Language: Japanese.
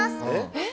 えっ？